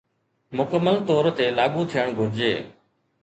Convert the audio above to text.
مڪمل طور تي لاڳو ٿيڻ گهرجي